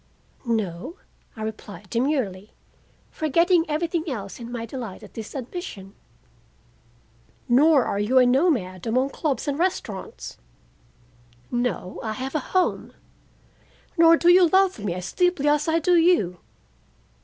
"No," I replied demurely, forgetting everything else in my delight at this admission. "Nor are you a nomad among clubs and restaurants." "No, I have a home." "Nor do you love me as deeply as I do you."